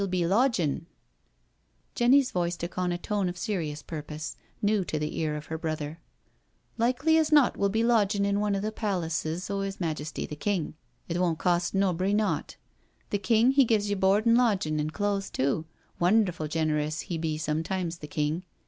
Whecr'U ye be lodgin*?" Jenny's voice took on a tone of serious purpose, new to the ear of her brother: " Likely as not we'll be lodgin' in one o* the palaces of 'is Majesty the King. It won't cost nobry nought. The King, he gives you board an' lodgin' an' clothes too — ^wonderful generous he be sometimes, the King."